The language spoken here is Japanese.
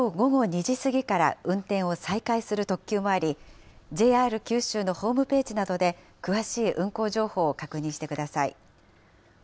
きょう午後２時過ぎから運転を再開する特急もあり、ＪＲ九州のホームページなどで詳しい運行情報を確認してください。